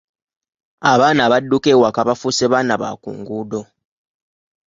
Abaana abadduka ewaka bafuuse baana ba ku nguudo.